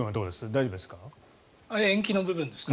大丈夫ですか？